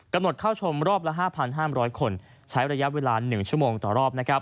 หดเข้าชมรอบละ๕๕๐๐คนใช้ระยะเวลา๑ชั่วโมงต่อรอบ